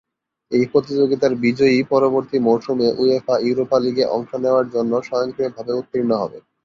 এই প্রতিযোগিতার বিজয়ী পরবর্তী মৌসুমে উয়েফা ইউরোপা লীগে অংশ নেওয়ার জন্য স্বয়ংক্রিয়ভাবে উত্তীর্ণ হবে।